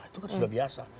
itu kan sudah biasa